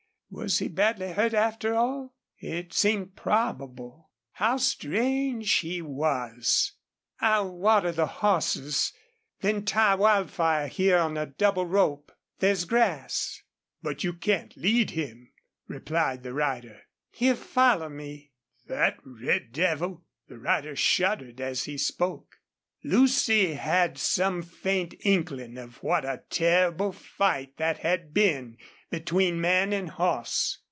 Was he badly hurt, after all? It seemed probable. How strange he was! "I'll water the horses then tie Wildfire here on a double rope. There's grass." "But you can't lead him," replied the rider. "He'll follow me." "That red devil!" The rider shuddered as he spoke. Lucy had some faint inkling of what a terrible fight that had been between man and horse.